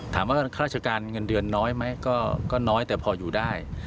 ข้าราชการเงินเดือนน้อยไหมก็น้อยแต่พออยู่ได้